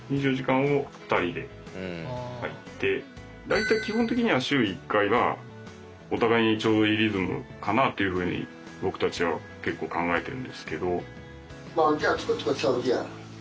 大体基本的には週１回がお互いにちょうどいいリズムかなあというふうに僕たちは結構考えてるんですけど。